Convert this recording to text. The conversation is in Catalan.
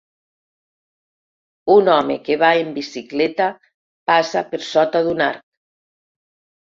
Un home que va en bicicleta passa per sota d'un arc.